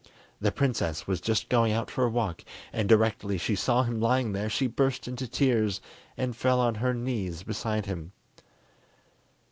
The princess was just going out for a walk, and directly she saw him lying there, she burst into tears and fell on her knees beside him.